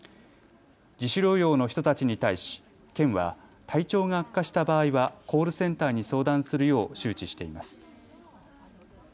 自主療養の人たちに対し県は体調が悪化した場合はコールセンターに相談するよう周知しています。